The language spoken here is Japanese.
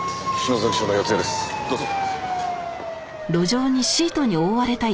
どうぞ。